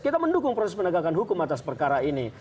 kita mendukung proses penegakan hukum atas perkara ini